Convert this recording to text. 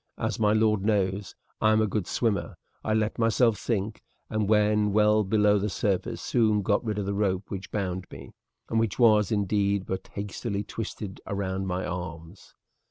As my lord knows, I am a good swimmer. I let myself sink, and when well below the surface soon got rid of the rope which bound me, and which was, indeed, but hastily twisted round my arms.